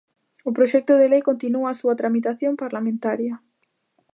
O proxecto de lei continúa a súa tramitación parlamentaria.